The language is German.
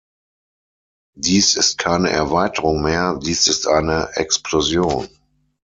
Dies ist keine Erweiterung mehr, dies ist eine Explosion.